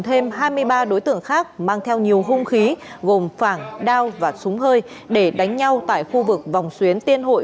thêm hai mươi ba đối tượng khác mang theo nhiều hung khí gồm phảng đao và súng hơi để đánh nhau tại khu vực vòng xuyến tiên hội